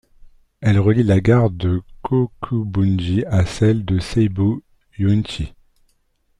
Elle relie la gare de Kokubunji à celle de Seibu-Yūenchi.